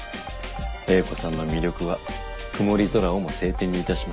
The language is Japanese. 英子さんの魅力は曇り空をも晴天にいたします。